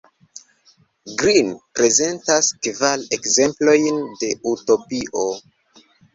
Green prezentas kvar ekzemplojn de utopio.